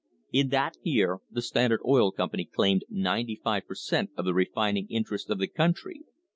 In that year the Standard Oil Company claimed ninety five per cent, of the refining interests of the country.